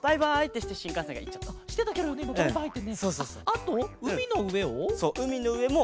あとうみのうえを？